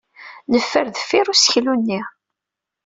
Neffer deffir useklu-nni.